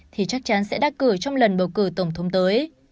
thì chắc chắn sẽ đắc cử trong lần bầu cử tổng thống tới